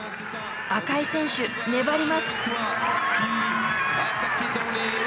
赤井選手粘ります。